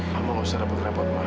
mama nggak usah rapat rapat ma